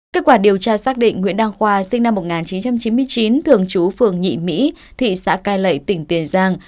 kết quả điều tra xác định nguyễn đăng khoa sinh năm một nghìn chín trăm chín mươi chín thường trú phường nhị mỹ thị xã cai lậy tỉnh tiền giang